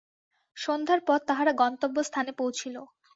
সন্ধ্যার পর তাহারা গন্তব্য স্থানে পৌঁছিল।